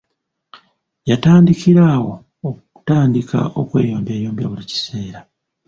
Yatandikira awo okutandika okweyombyayombya buli kiseera.